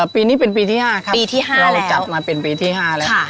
ปีนี้เป็นปีที่๕ครับปีที่๕เราจัดมาเป็นปีที่๕แล้ว